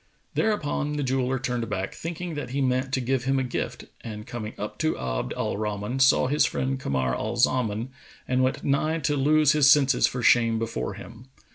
Thereupon the jeweller turned back, thinking that he meant to give him a gift, and coming up to Abd al Rahman, saw his friend Kamar al Zaman and went nigh to lose his senses for shame before him.